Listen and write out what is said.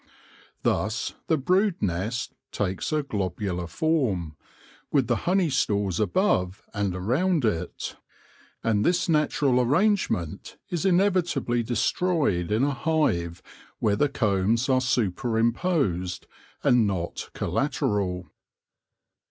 Thus the brood nest takes a globular form, with the honey stores above and around it ; and this natural arrangement is inevitably destroyed in a hive where the combs are superimposed and not col lateral.